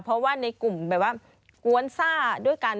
เพราะว่าในกลุ่มแบบว่ากวนซ่าด้วยกัน